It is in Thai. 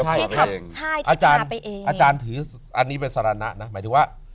ใช่ที่ทาไปเองอาจารย์อาจารย์ถืออันนี้เป็นสารณะนะหมายถึงว่า